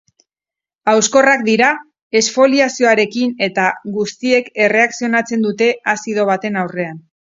Hauskorrak dira, esfoliazioarekin eta guztiek erreakzionatzen dute azido baten aurrean.